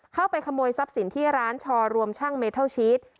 เข้าไปขโมยทรัพย์สินที่ร้านชอรวมช่างเมทัลชีส